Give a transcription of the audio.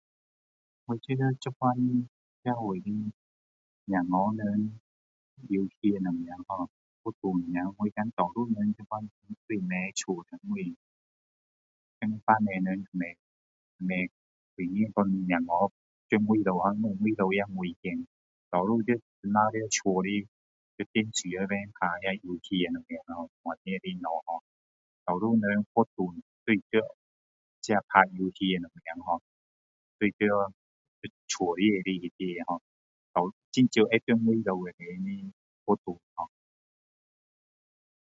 今天现在社会的小孩们，尤其是什么[har], [unintelligible] [unintelligible] 多数现在躲在家，就是父母不,不高兴小孩在外面，在外面也危险。多数就只在家里， [unintelligible] [unintelligible] 看游戏咯什么的这样的事咯。多数人活动就是在，这打游戏什么[har]，都是在家里面[har]，很少会在外面那边活动[har]